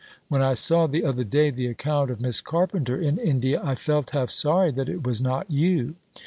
When I saw the other day the account of Miss Carpenter in India, I felt half sorry that it was not you.